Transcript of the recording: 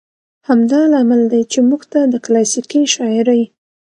همدا لامل دى، چې موږ ته د کلاسيکې شاعرۍ